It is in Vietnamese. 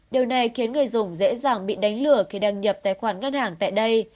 điều này khiến người dùng dễ dàng bị đánh lửa khi đăng nhập tài khoản ngân hàng tại đây